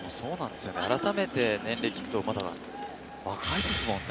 改めて聞くとまだ若いですもんね。